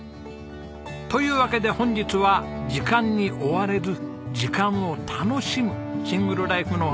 というわけで本日は時間に追われず時間を楽しむシングルライフのお話です。